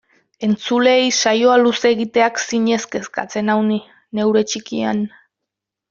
Entzuleei saioa luze egiteak zinez kezkatzen nau ni, neure txikian.